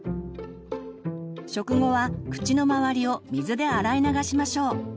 食後は口の周りを水で洗い流しましょう。